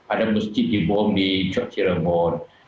ada mesjid dibom di cokcirengon